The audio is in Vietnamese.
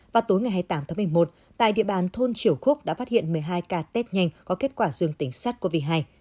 và tối ngày hai mươi tám tháng một mươi một tại địa bàn thôn triều quốc đã phát hiện một mươi hai ca tích nhanh có kết quả dương tính sars cov hai